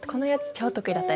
超得意だった？